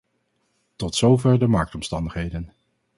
Tot zover de marktomstandigheden.